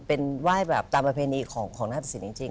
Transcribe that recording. เป็นไหว้แบบตามอเภณีของนาฏศิลป์จริง